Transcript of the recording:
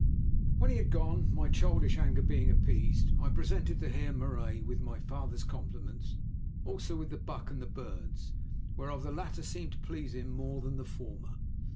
When he had gone, my childish anger being appeased, I presented the Heer Marais with my father's compliments, also with the buck and the birds, whereof the latter seemed to please him more than the former.